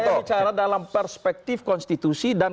saya bicara dalam perspektif konstitusi dan